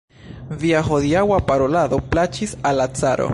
Via hodiaŭa parolado plaĉis al la caro.